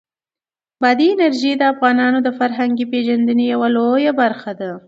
بادي انرژي د افغانانو د فرهنګي پیژندنې یوه لویه برخه ده.